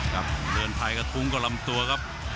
เดินไทยกระตุ๊งก็ลำตัวครับ